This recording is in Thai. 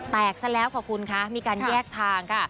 ซะแล้วขอบคุณคะมีการแยกทางค่ะ